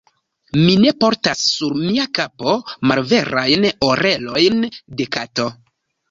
Mi ne portas sur mia kapo malverajn orelojn de kato.